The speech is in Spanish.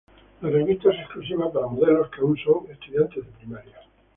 La revista es exclusiva para modelos que aún son estudiantes de primaria.